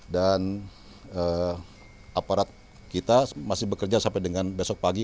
dan aparat kita masih bekerja sampai dengan besok pagi